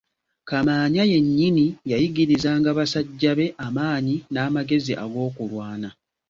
Kamaanya yennyini yayigirizanga basajja be amaanyi n'amagezi ag'okulwana.